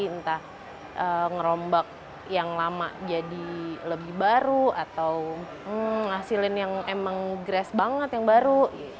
entah ngerombak yang lama jadi lebih baru atau ngasilin yang emang grass banget yang baru